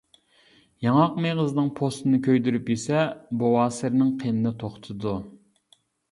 ياڭاق مېغىزىنىڭ پوستىنى كۆيدۈرۈپ يېسە، بوۋاسىرنىڭ قېنىنى توختىتىدۇ.